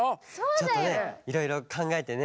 ちょっとねいろいろかんがえてね。